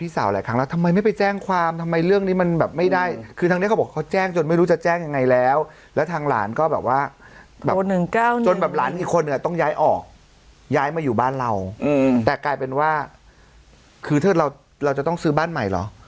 ย้ายมาอยู่บ้านเราอืมแต่กลายเป็นว่าคือถ้าเราเราจะต้องซื้อบ้านใหม่หรอ